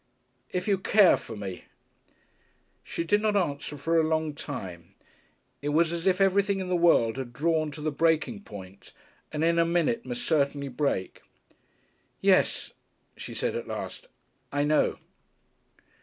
"If you care for me?" She did not answer for a long time. It was as if everything in the world had drawn to the breaking point, and in a minute must certainly break. "Yes," she said, at last, "I know."